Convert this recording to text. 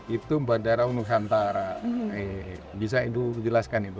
itu bandara nusantara bisa ibu jelaskan itu